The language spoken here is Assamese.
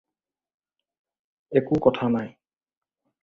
একো কথা নাই।